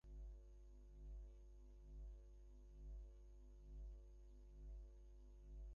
রাত্রে বিহারী, বিনোদিনী এবং অন্নপূর্ণা তিনজনে মিলিয়া রাজলক্ষ্মীর শুশ্রূষা করিলেন।